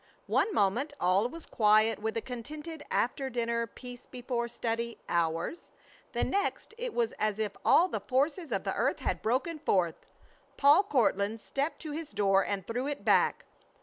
One moment all was quiet with a contented after dinner peace before study hours; the next it was as if all the forces of the earth had broken forth. Paul Courtland stepped to his door and threw it back.